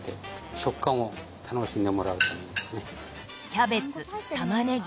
キャベツたまねぎ